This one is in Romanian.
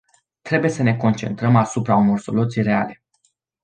Trebuie să ne concentrăm asupra unor soluții reale.